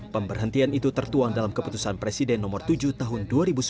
pemberhentian itu tertuang dalam keputusan presiden nomor tujuh tahun dua ribu sembilan belas